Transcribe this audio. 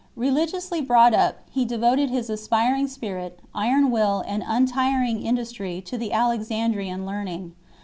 Religiously brought up, he devoted his aspiring spirit, iron will, and untiring industry to the Alexandrian learning.